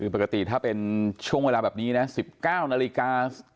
คือปกติถ้าเป็นช่วงเวลาแบบนี้นะ๑๙นาฬิกา